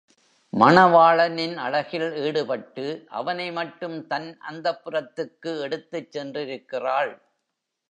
மணவாளனின் அழகில் ஈடுபட்டு அவனை மட்டும் தன் அந்தப்புரத்துக்கு எடுத்துச் சென்றிருக்கிறாள்.